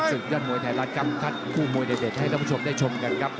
ศึกยอดมวยไทยรัฐกำคัดคู่มวยเด็ดให้ท่านผู้ชมได้ชมกันครับ